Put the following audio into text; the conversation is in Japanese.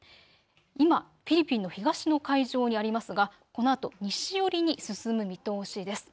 今、フィリピンの東の海上にありますが、このあと西寄りに進む見通しです。